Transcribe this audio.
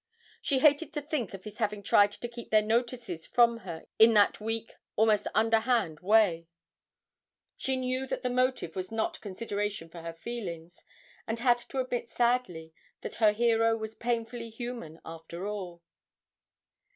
She hated to think of his having tried to keep their notices from her in that weak, almost underhand, way; she knew that the motive was not consideration for her feelings, and had to admit sadly that her hero was painfully human after all.